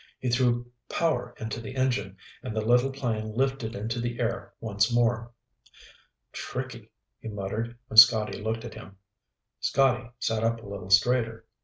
He threw power into the engine and the little plane lifted into the air once more. "Tricky," he muttered when Scotty looked at him. Scotty sat up a little straighter.